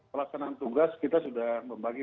pelaksanaan tugas kita sudah membagi